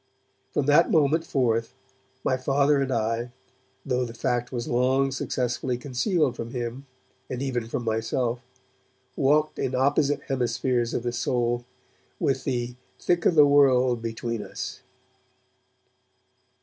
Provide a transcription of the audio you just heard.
From that moment forth my Father and I, though the fact was long successfully concealed from him and even from myself, walked in opposite hemispheres of the soul, with 'the thick o' the world between us'.